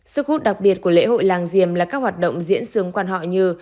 sức hút đặc biệt của lễ hội làng diềm là các hoạt động diễn xướng quan họ như